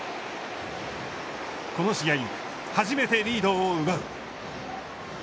この試合、初めてリードを奪う。